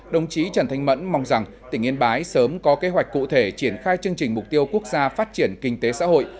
đồng chí trần thanh mẫn mong rằng tỉnh yên bái sớm có kế hoạch cụ thể triển khai chương trình mục tiêu quốc gia phát triển kinh tế xã hội